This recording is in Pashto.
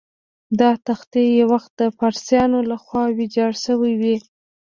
دا تختې یو وخت د پارسیانو له خوا ویجاړ شوې وې.